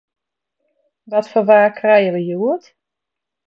Wat foar waar krije we hjoed?